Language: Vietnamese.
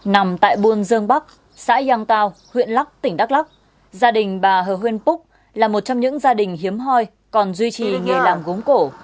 nằm tại buôn dương bắc xã giang tao huyện lắc tỉnh đắk lắc gia đình bà hờ huyên búc là một trong những gia đình hiếm hoi còn duy trì nghề làm gốm cổ